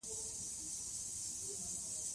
ازادي راډیو د عدالت د مثبتو اړخونو یادونه کړې.